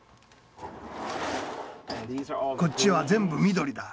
こっちは全部緑だ。